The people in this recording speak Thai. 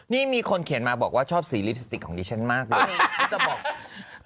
นี่มีคนเขียนมาบอกว่าชอบสีลิปสติกของดิฉันมากเลย